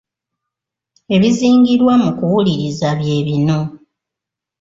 Ebizingirwa mu kuwuliriza bye bino.